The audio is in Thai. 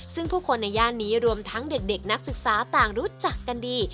ซึ่งผู้คนในย่านนี้รวมทั้งเด็กนักศึกษาต่างรู้จักกันดี